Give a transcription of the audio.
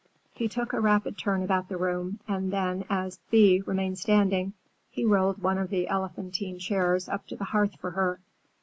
He took a rapid turn about the room and then as Thea remained standing, he rolled one of the elephantine chairs up to the hearth for her.